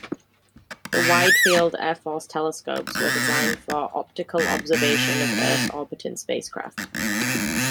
The wide-field Air Force telescopes were designed for optical observation of Earth-orbiting spacecraft.